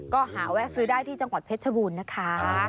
ก็หาแวะซื้อได้ที่จังหวัดเพชรบูรณ์นะคะ